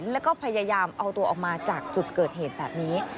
แล้วก็พยายามเอาตัวออกมาจากจุดเกิดเหตุแบบนี้